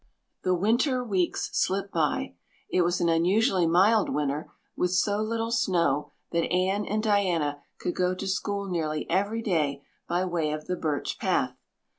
The winter weeks slipped by. It was an unusually mild winter, with so little snow that Anne and Diana could go to school nearly every day by way of the Birch Path.